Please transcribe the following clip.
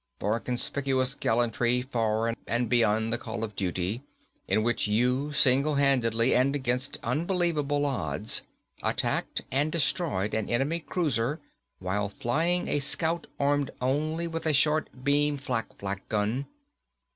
_... for conspicuous gallantry far and beyond the call of duty, in which you single handedly, and against unbelievable odds, attacked and destroyed an enemy cruiser while flying a Scout armed only with a short beam flakflak gun